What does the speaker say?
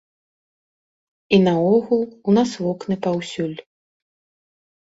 І наогул, у нас вокны паўсюль.